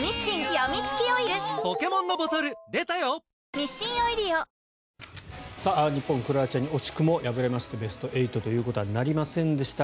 日本クロアチアに惜しくも敗れましてベスト８ということはなりませんでした。